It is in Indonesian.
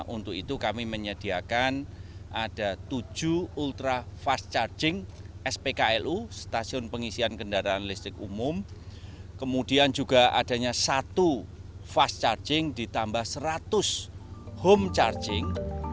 untuk itu kami menyediakan ada tujuh ultra fast charging spklu stasiun pengisian kendaraan listrik umum kemudian juga adanya satu fast charging ditambah seratus home charging